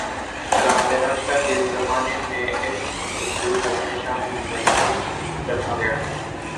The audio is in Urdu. خلافتِ راشدہ کے زمانے میں اس اصول کو ہمیشہ ملحوظ رکھا گیا